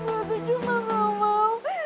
aku cuma nggak mau